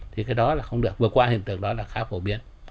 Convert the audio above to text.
thì cái đó là không được vừa qua hiện tượng đó là khá phổ biến